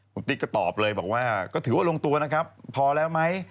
คุณติ๊กก็ตอบเลยบอกว่าก็ถือว่าลงตัวนะครับพอแล้วไหม